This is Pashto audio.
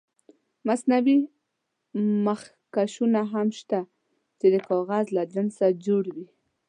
مصنوعي مخکشونه هم شته چې د کاغذ له جنسه جوړ وي.